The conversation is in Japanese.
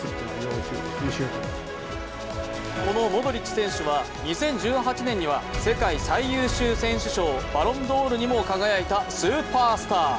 このモドリッチ選手は２０１８年には世界最優秀選手賞、バロンドールにも輝いたスーパースター。